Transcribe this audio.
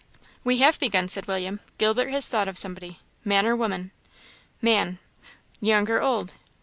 "We have begun," said William. "Gilbert has thought of somebody. Man or woman?" "Man." "Young or old?"